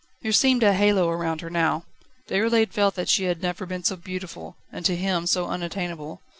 There seemed a halo around her now. Déroulède felt that she had never been so beautiful and to him so unattainable.